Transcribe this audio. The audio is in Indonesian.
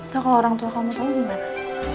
tau kalau orang tua kamu tau gimana